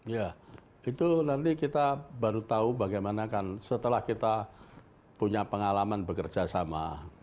ya itu nanti kita baru tahu bagaimana kan setelah kita punya pengalaman bekerja sama